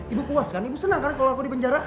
ibu puas kan ibu senang karena kalau aku di penjara